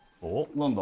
何だ？